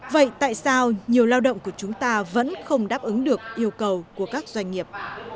vậy tại sao nhiều lao động của chúng ta vẫn không đáp ứng được yêu cầu của các doanh nghiệp